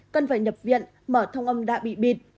cần phải nhập viện mở thông âm đã bị bịt